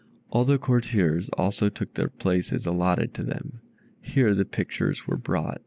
All the courtiers also took the places allotted to them. Here the pictures were brought.